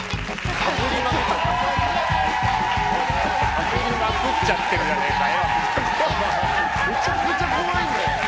かぶりまくっちゃってるじゃねえかよ！